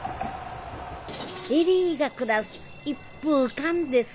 恵里が暮らす一風館です